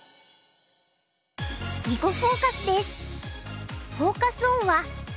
「囲碁フォーカス」です。